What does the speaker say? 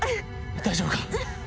大丈夫か？